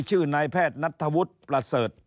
นายแพทย์นัทธวุฒิประเสริฐ